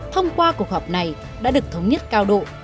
thông qua cuộc họp này đã được thống nhất cao độ